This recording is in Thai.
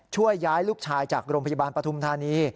ช่วยย้ายลูกชายจากโรงพยาบาลปฐุมธานี